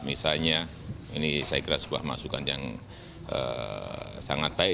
misalnya ini saya kira sebuah masukan yang sangat baik